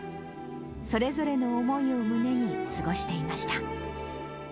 それぞれの思いを胸に過ごしていました。